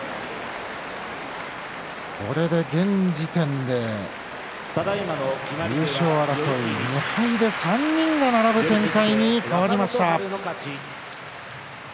これで現時点で優勝争い２敗で３人が並ぶ展開に変わりました。